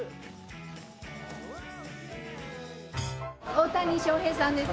大谷翔平さんですか？